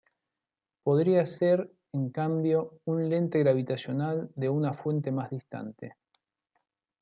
Podría ser en cambio un lente gravitacional de una fuente más distante.